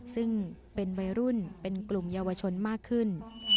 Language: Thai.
ซึ่งเป็นวัยรุ่นเป็นกลุ่มเยาวชนมากขึ้น